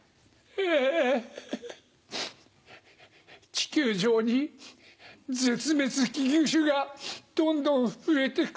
地球上に絶滅危惧種がどんどん増えてくよ。